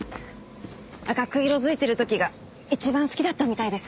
赤く色づいてる時が一番好きだったみたいです。